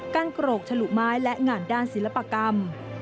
โกรกฉลุไม้และงานด้านศิลปกรรม